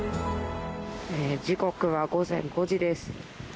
時刻は午前５時です。